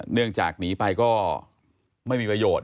เนื่องจากหนีไปก็ไม่มีประโยชน์